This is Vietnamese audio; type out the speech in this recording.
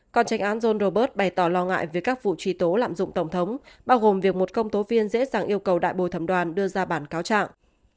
còn tranh án john robert bày tỏ lo ngại về các vụ truy tố lạm dụng tổng thống bao gồm việc một công tố viên dễ dàng yêu cầu đại bồi thẩm đoàn đưa ra bản cáo trạng